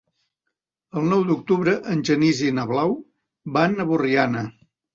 El nou d'octubre en Genís i na Blau van a Borriana.